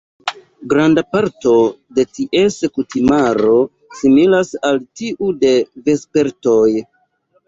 Granda parto de ties kutimaro similas al tiu de vespertoj.